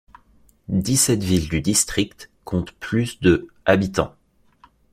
Dix-sept villes du district comptent plus de habitants.